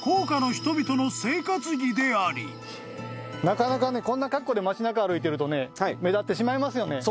なかなかこんな格好で街中歩いてるとね目立ってしまいますよね。